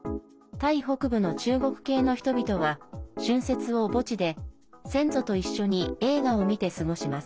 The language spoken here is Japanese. タイ北部の中国系の人々は春節を墓地で先祖と一緒に映画を見て過ごします。